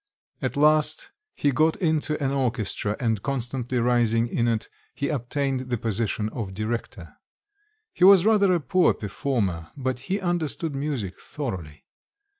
At last he got into an orchestra and constantly rising in it, he obtained the position of director. He was rather a poor performer; but he understood music thoroughly.